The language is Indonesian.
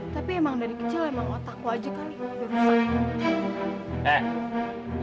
tapi emang dari kecil emang otak lo aja kali udah rusak